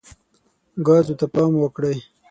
ګازو ته پام وکړئ.